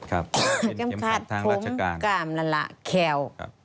เข้มขัดผมกามละละแคว